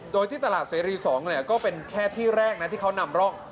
โดยที่ตลาดเสรี๒ก็เป็นแค่ที่แรกนะที่เขานำร่อง